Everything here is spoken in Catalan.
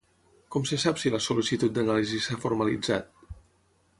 Com se sap si la sol·licitud d'anàlisi s'ha formalitzat?